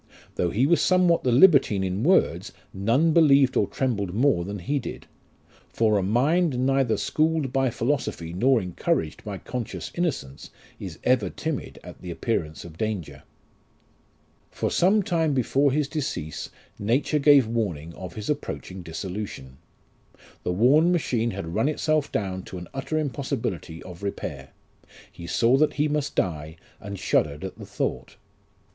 Though he was somewhat the libertine in words, none believed or trembled more than he did ; for a mind neither schooled by philosophy nor encouraged by conscious innocence, is ever timid at the appearance of danger. For some time before his decease nature gave warning of his approaching dissolution. The worn machine had run itself down to an utter impossibility of repair ; he saw that he must die, and shuddered at the thought.